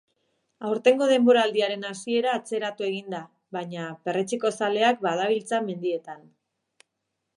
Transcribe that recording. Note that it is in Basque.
Aurtengo denboraldiaren hasiera atzeratu egin da, baina perretxikozaleak badabiltza mendietan.